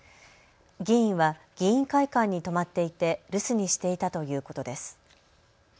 議員は議員会館に泊まっていて留守にしていたということです。